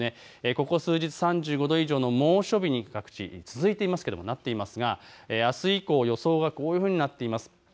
ここ数日３５度以上の猛暑日、各地続いていますけれどもあす以降、予想はこういうふうになっています。